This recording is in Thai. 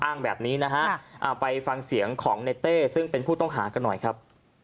แบบนี้นะฮะไปฟังเสียงของในเต้ซึ่งเป็นผู้ต้องหากันหน่อยครับ